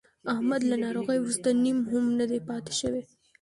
احمد له ناروغۍ ورسته نیم هم نه دی پاتې شوی.